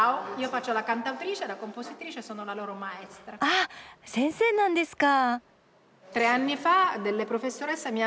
あっ先生なんですか。